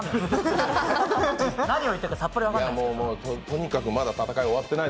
何言ってるかさっぱり分からない。